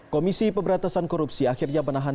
komisi pemberantasan korupsi akhirnya menahan